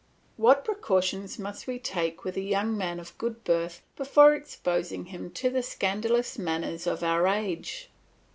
What precautions we must take with a young man of good birth before exposing him to the scandalous manners of our age!